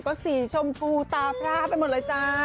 ก็สีชมภูตาพราพมันหมดเลยจ้ะ